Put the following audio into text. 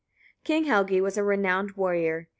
King Helgi was a renowned warrior.